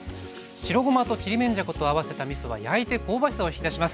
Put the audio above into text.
白ごまとちりめんじゃこと合わせたみそは焼いて香ばしさを引き出します。